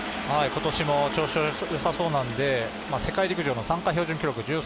今年も調子が良さそうなので世界陸上の参加標準記録